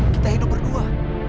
kita hidup berdua